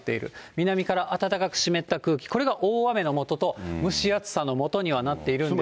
南から暖かく湿った空気、これが大雨の元と、蒸し暑さのもとにはなっているんですが。